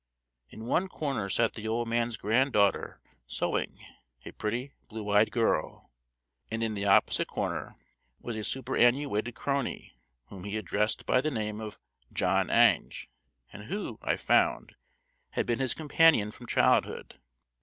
In one corner sat the old man's granddaughter sewing, a pretty blue eyed girl, and in the opposite corner was a superannuated crony whom he addressed by the name of John Ange, and who, I found, had been his companion from childhood.